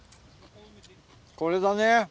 これだね。